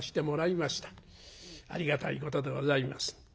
ありがたいことでございます。